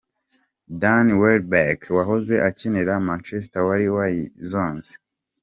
Dan Welbek wahoze akinira Machester wari wayizonze